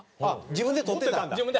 あっ自分で撮ってたんだ？